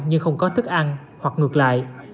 nhưng không có thức ăn hoặc ngược lại